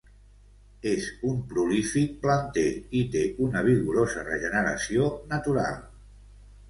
És un prolífic planter i té una vigorosa regeneració natural.